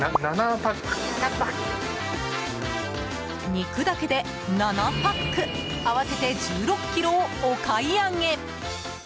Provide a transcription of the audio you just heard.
肉だけで７パック合わせて１６ｋｇをお買い上げ。